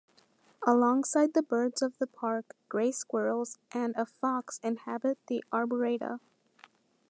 Alongside the birds of the park, grey squirrels and a fox inhabit the arboreta.